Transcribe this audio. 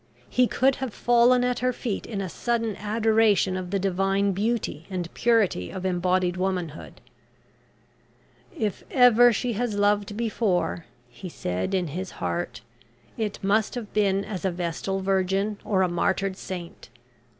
He could have fallen at her feet in a sudden adoration of the divine beauty and purity of embodied womanhood. "If ever she has lived before," he said in his heart, "it must have been as a vestal virgin, or a martyred saint.